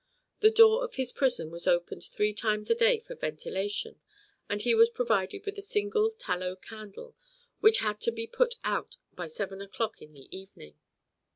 The door of his prison was opened three times a day for ventilation, and he was provided with a single tallow candle which had to be put out by seven o'clock in the evening.